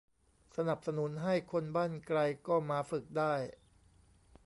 สนับสนุนให้คนบ้านไกลก็มาฝึกได้